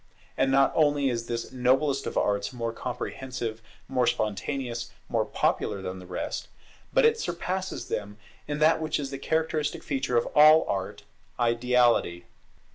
And not only is this noblest of Arts more comprehensive, more spontaneous, more popular than the rest, but it surpasses them in that which is the characteristic feature of all art, Ideality.